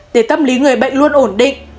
để tâm lý người bệnh luôn ổn định